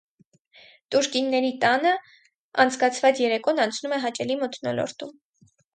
Տուրկինների տանը անցկացված երեկոն անցնում է հաճելի մթնոլորտում։